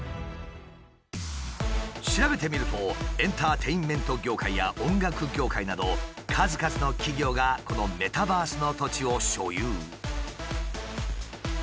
調べてみるとエンターテインメント業界や音楽業界など数々の企業がこのメタバースの土地を所有。